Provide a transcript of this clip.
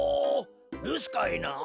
るすかいな？